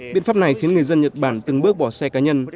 biện pháp này khiến người dân nhật bản từng bước bỏ xe cá nhân